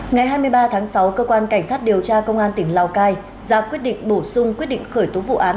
ngày hai mươi ba tháng sáu cơ quan cảnh sát điều tra công an tỉnh lào cai ra quyết định bổ sung quyết định khởi tố vụ án